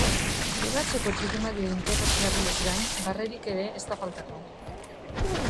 Ligatzeko trikimailu interesgarriez gain, barrerik ere ez da faltako.